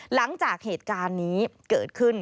หลังจากเหตุการณ์นี้เกิดขึ้น